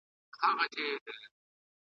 له پېړیو د نړۍ کاروان تیریږي ,